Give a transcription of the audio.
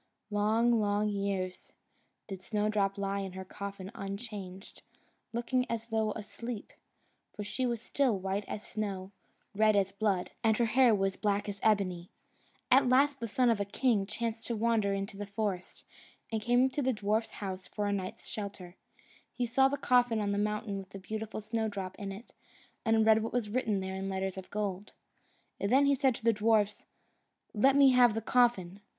Long, long years, did Snowdrop lie in her coffin unchanged, looking as though asleep, for she was still white as snow, red as blood, and her hair was black as ebony. At last the son of a king chanced to wander into the forest, and came to the dwarf's house for a night's shelter. He saw the coffin on the mountain with the beautiful Snowdrop in it, and read what was written there in letters of gold. Then he said to the dwarfs, "Let me have the coffin!